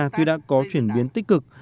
tuy đã có chuyển biến tích cực